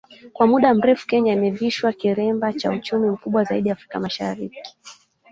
kwa muda mrefu Kenya imevishwa kilemba cha uchumi mkubwa zaidi Afrika Mashariki